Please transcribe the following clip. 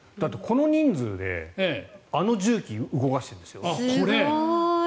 この人数であの重機を動かしているんですよ。